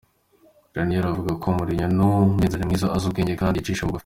Ranieri avuga ko:”Mourinho n’umumenyereza mwiza, azi ubwenge, kandi yicisha bugufi.